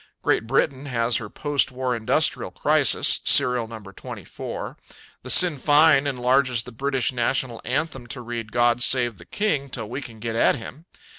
Great Britain has her post war industrial crisis, Serial Number 24. The Sinn Féin enlarges the British national anthem to read God Save the King Till We Can Get at Him!